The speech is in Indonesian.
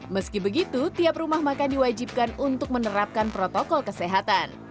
meski begitu tiap rumah makan diwajibkan untuk menerapkan protokol kesehatan